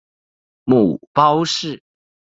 母包氏。